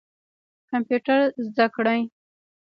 کمپیوټر زده کړئ